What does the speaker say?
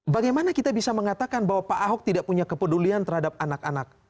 bagaimana kita bisa mengatakan bahwa pak ahok tidak punya kepedulian terhadap anak anak